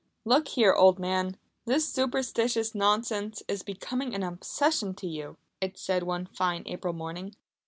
"Look here, old man, this superstitious nonsense is becoming an obsession to you," it said one fine April morning.